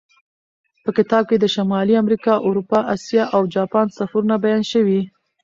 په کتاب کې د شمالي امریکا، اروپا، اسیا او جاپان سفرونه بیان شوي.